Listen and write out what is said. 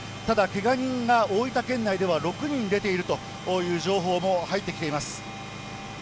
ただ、けが人が大分県内では６人出ているという情報も入ってきています。